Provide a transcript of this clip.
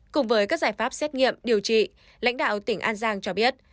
cùng với các giải pháp xét nghiệm điều trị lãnh đạo tỉnh an giang cho biết